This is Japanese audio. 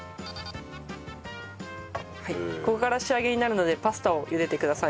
ここから仕上げになるのでパスタを茹でてください。